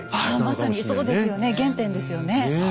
まさにそうですよね原点ですよね。